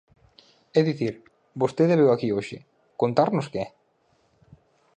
É dicir, vostede veu aquí hoxe ¿contarnos que?